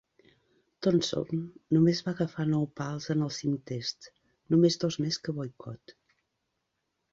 Thomson només va agafar nou pals en els cinc Tests, només dos més que Boycott.